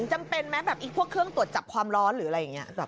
จำเป็นไหมแบบพวกเครื่องตรวจจับความร้อนหรืออะไรอย่างนี้